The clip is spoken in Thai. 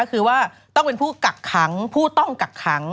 ก็คือว่าต้องเป็นผู้กักขังผู้ต้องกักขัง